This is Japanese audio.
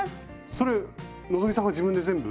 それ希さんが自分で全部？